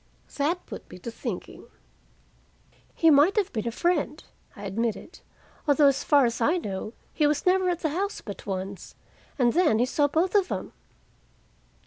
That put me to thinking. "He might have been a friend," I admitted. "Although, as far as I know, he was never at the house but once, and then he saw both of them."